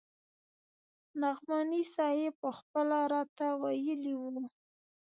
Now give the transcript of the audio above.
نعماني صاحب پخپله راته ويلي وو.